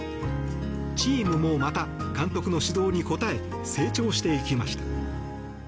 チームもまた監督の指導に応え成長していきました。